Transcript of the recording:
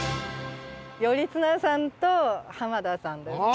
頼綱さんと濱田さんです。